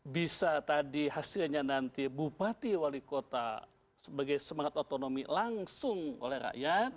bisa tadi hasilnya nanti bupati wali kota sebagai semangat otonomi langsung oleh rakyat